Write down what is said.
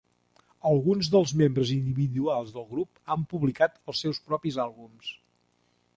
Alguns dels membres individuals del grup han publicat els seus propis àlbums.